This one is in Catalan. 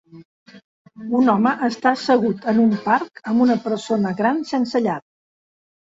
Un home està assegut en un parc amb una persona gran sense llar.